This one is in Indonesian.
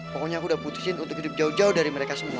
pokoknya aku udah putusin untuk hidup jauh jauh dari mereka semua